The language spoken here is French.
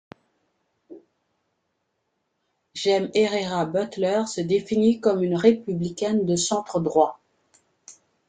Jaime Herrera Beutler se définit comme une républicaine de centre droit.